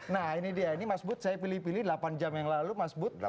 nah ini dia ini mas bud saya pilih pilih delapan jam yang lalu mas bud